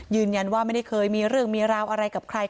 ยืนยันว่าไม่ได้เคยมีเรื่องมีราวอะไรกับใคร